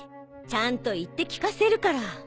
ちゃんと言って聞かせるから。